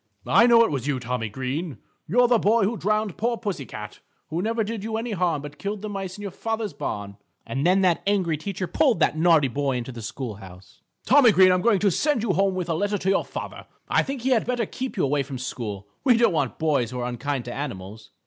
"I know it was you, Tommy Green. You're the boy who drowned poor pussy cat, who never did you any harm but killed the mice in your father's barn!" And then that angry teacher pulled that naughty boy into the school house. [Illustration: LITTLE SIR CAT AND TOMMY GREEN] "Tommy Green, I'm going to send you home with a letter to your father. I think he had better keep you away from school. We don't want boys who are unkind to animals."